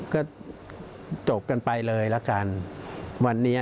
ก็จบกันไปเลยละกันวันนี้